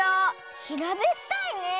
ひらべったいねえ。